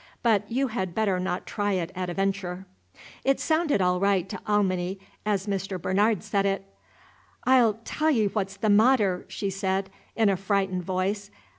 But you had better not try it at a venture. It sounded all right to Alminy, as Mr. Bernard said it. "I 'll tell ye what's the mahtterr," she said, in a frightened voice.